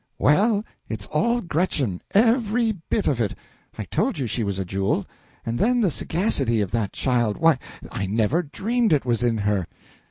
Well, it's all Gretchen ev ery bit of it. I told you she was a jewel. And then the sagacity of that child why, I never dreamed it was in her.